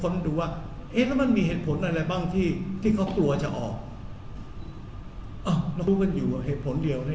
มันอาจจะมีบุคลากรที่ต้องชำนาญมากกว่าที่เรามีอยู่แล้ว